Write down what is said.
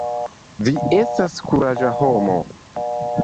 Vi estas kuraĝa homo.